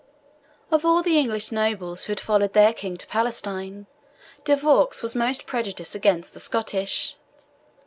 Of all the English nobles who had followed their King to Palestine, De Vaux was most prejudiced against the Scottish.